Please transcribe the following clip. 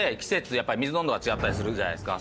やっぱり水の温度が違ったりするじゃないですか。